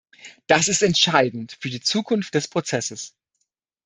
Das ist entscheidend für die Zukunft des Prozesses.